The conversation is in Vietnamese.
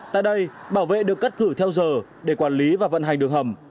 tại đây bảo vệ được cắt cử theo giờ để quản lý và vận hành đường hầm